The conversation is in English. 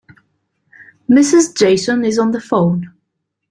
Mrs. Jason is on the phone.